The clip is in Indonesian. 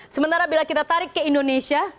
sementara bila kita tarik ke indonesia